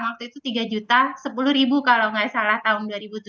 waktu itu tiga juta sepuluh ribu kalau nggak salah tahun dua ribu tujuh belas